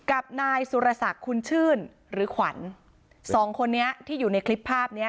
กับนายสุรศักดิ์คุณชื่นหรือขวัญสองคนนี้ที่อยู่ในคลิปภาพเนี้ย